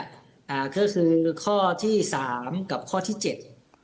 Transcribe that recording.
ยังไม่ได้พูดเนี่ยอ่าก็คือข้อที่สามกับข้อที่เจ็ด